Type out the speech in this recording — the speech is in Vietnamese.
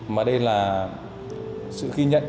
mà đây là sự ghi nhận